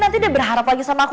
nanti dia berharap lagi sama aku